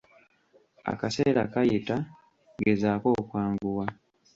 Akaseera kayita, gezaako okwanguwa.